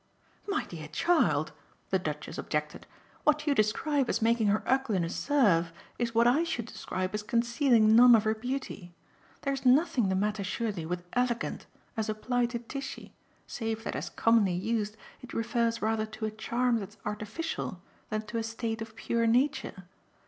"My dear child," the Duchess objected, "what you describe as making her ugliness serve is what I should describe as concealing none of her beauty. There's nothing the matter surely with 'elegant' as applied to Tishy save that as commonly used it refers rather to a charm that's artificial than to a state of pure nature.